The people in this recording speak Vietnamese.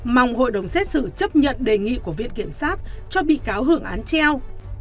mong hội đồng xét xử chấp nhận đề nghị của viện kiểm soát cho bi cáo hưởng án treo